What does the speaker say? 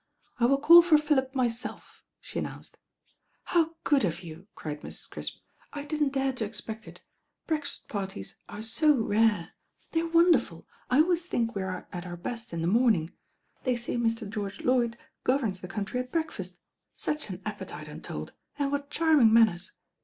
"I wUl call for Philip myself," she announced. "How good of you," cried Mrs. Crisp. "I didn't dare to expect it. Breakfast parties are so rare. f t THE HEIRESS INDISPOSED 119 They're wonderful. I always think we arc at our best in the morning. They say Mr. George Lloyd governs the country at breakfast. Such an appetite I'm told — and what charming manners.